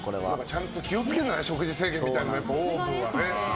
ちゃんと気を付けるんだね食事制限みたいなの、ＯＷＶは。